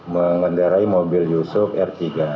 mengendarai mobil yusuf r tiga